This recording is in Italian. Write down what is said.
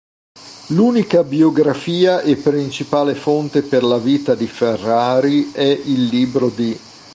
L'unica biografia e principale fonte per la vita di Ferrari è il libro di